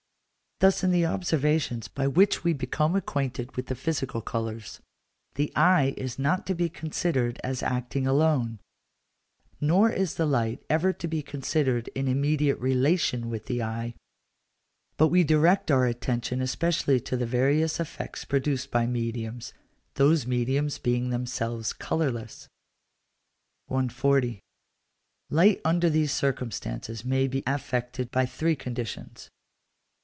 Thus, in the observations by which we become acquainted with the physical colours, the eye is not to be considered as acting alone; nor is the light ever to be considered in immediate relation with the eye: but we direct our attention especially to the various effects produced by mediums, those mediums being themselves colourless. 140. Light under these circumstances may be affected by three conditions.